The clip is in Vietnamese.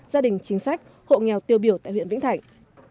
gia đình chính sách hộ nghèo tiêu biểu tại huyện vĩnh thạnh